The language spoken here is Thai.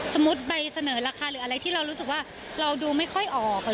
ใบเสนอราคาหรืออะไรที่เรารู้สึกว่าเราดูไม่ค่อยออก